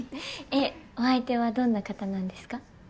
えお相手はどんな方なんですか？